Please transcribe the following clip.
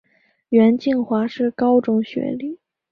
袁敬华是高中学历。